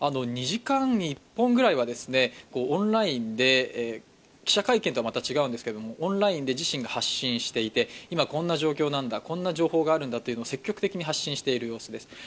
２時間に１本くらいはオンラインで記者会見とはまた違うんですが自身が発信していて、今こんな状況なんだ、こんな情報があるんだと積極的に発信している様子です。